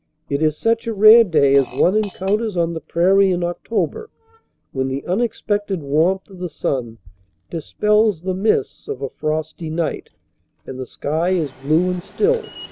It is such a rare day as one encounters on the prairie in October when the unexpected warmth of the sun dispels the mists of a frosty night and the sky is blue and still.